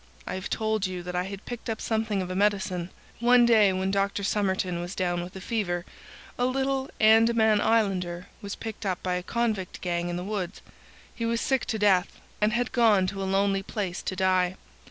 I have told you that I had picked up something of medicine. One day when Dr. Somerton was down with a fever a little Andaman Islander was picked up by a convict gang in the woods. He was sick to death, and had gone to a lonely place to die.